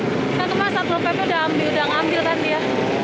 saya kemasan kemaren udah ngambil kan dia